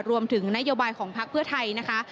รวมถึงนโยบายของพักเพื่อไทยนะคะ